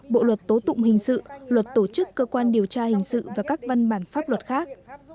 bộ luật tố tụng hình sự luật tổ chức cơ quan điều tra hình sự và các văn bản pháp luật khác